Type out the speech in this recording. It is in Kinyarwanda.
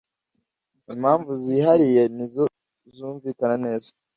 Impamvu zihariye nizo zumvikana neza